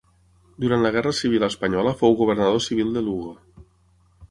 Durant la guerra civil espanyola fou governador civil de Lugo.